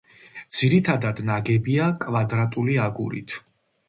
ძირითადად ნაგებია კვადრატული აგურით.